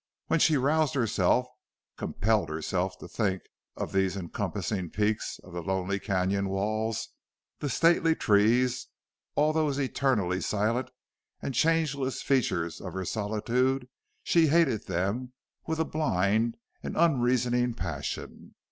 When she roused herself, compelled herself to think of these encompassing peaks of the lonely canon walls, the stately trees, all those eternally silent and changless features of her solitude, she hated them with a blind and unreasoning passion.